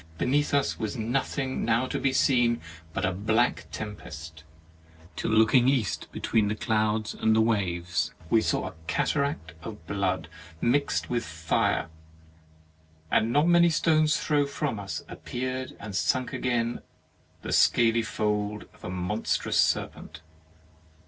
Beneath us was nothing now to be seen but a black tempest, till looking East be tween the clouds and the waves, we saw a cataract of blood mixed with fire, and not many stones' throw from us appeared and sunk again the scaly fold of a monstrous serpent.